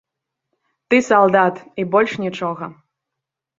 Ты салдат, і больш нічога.